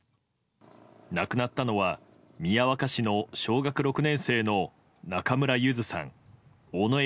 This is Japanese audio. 亡くなったのは宮若市の小学６年生の中村優杏さん、小野愛